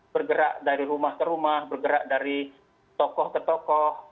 bergerak dari rumah ke rumah bergerak dari tokoh ke tokoh